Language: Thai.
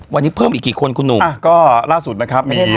วันนี้เพิ่มอีกกี่คนคุณหนูอ่ะก็ล่าสุดนะครับไม่ได้ไทย